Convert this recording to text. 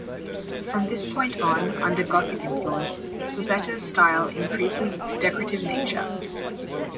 From this point on, under Gothic influence, Sassetta's style increases its decorative nature.